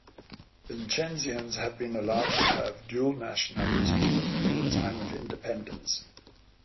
Vincentians have been allowed to have dual nationality from the time of independence.